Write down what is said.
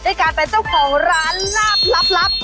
การเป็นเจ้าของร้านลาบลับ